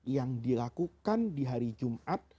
yang dilakukan di hari jumat